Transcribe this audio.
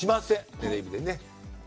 テレビでね。